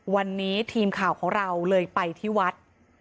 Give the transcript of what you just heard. วันนี้ทีมข่าวของเราเลยไปที่วัด